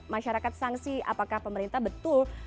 masyarakat sanksi apakah pemerintah betul